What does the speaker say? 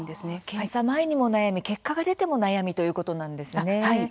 検査前にも悩み結果が出ても悩みということなんですね。